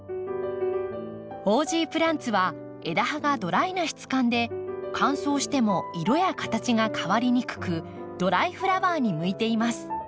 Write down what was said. オージープランツは枝葉がドライな質感で乾燥しても色や形が変わりにくくドライフラワーに向いています。